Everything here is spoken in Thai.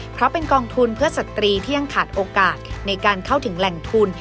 เพราะเป็นกองทุนเพื่อสตรีที่ยังขาดโอกาสในการเข้าถึงแหล่งทุน